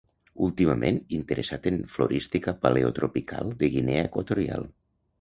Últimament interessat en florística Paleotropical de Guinea Equatorial.